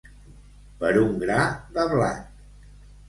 Per un gra de blat.